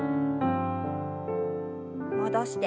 戻して。